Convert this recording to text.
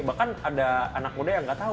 bahkan ada anak muda yang nggak tahu